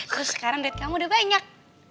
terus sekarang dead kamu udah banyak